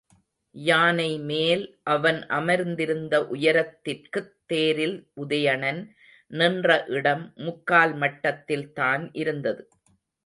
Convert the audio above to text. யானைமேல் அவன் அமர்ந்திருந்த உயரத்திற்குத் தேரில் உதயணன் நின்ற இடம், முக்கால் மட்டத்தில்தான் இருந்தது.